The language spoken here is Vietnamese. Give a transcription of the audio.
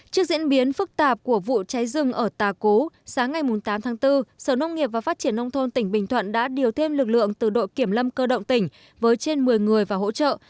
trước diễn biến phức tạp của vụ cháy rừng ở tà cú sáng ngày tám tháng bốn sở nông nghiệp và phát triển nông thôn tỉnh bình thuận đã điều thêm lực lượng từ đội kiểm lâm cơ động tỉnh với trên một mươi người và hỗ trợ